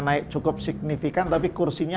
naik cukup signifikan tapi kursinya